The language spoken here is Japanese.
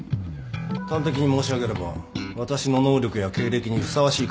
端的に申し上げれば私の能力や経歴にふさわしい会社を頼みたい。